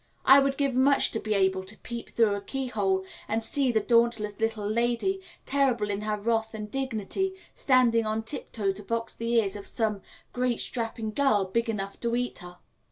I would give much to be able to peep through a keyhole and see the dauntless little lady, terrible in her wrath and dignity, standing on tiptoe to box the ears of some great strapping girl big enough to eat her.